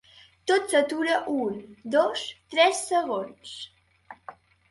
Tot s'atura un, dos, tres segons.